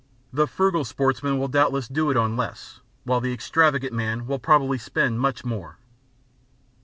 The frugal sportsman will doubtless do it on less, while the extravagant man will probably spend very much more.